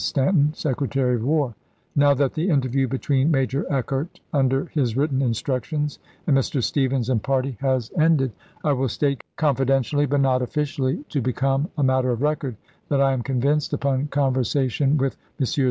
Stanton, Secretary of War : Now that the interview between Major Eckert, under his written instructions, and Mr. Stephens an<\ party has THE HAMPTON ROADS CONFERENCE 117 ended, I will state confidentially, but not officially, to chap.vi. become a matter of record, that I am convinced, upon conversation with Messrs.